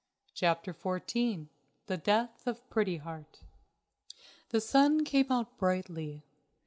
CHAPTER XIV THE DEATH OF PRETTY HEART The sun came out brightly.